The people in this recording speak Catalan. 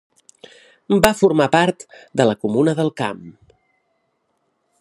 Va formar part de la Comuna del Camp.